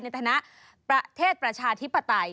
ในฐานะประเทศประชาธิปไตย